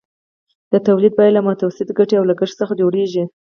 د تولید بیه له متوسطې ګټې او لګښت څخه جوړېږي